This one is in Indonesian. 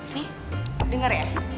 nih denger ya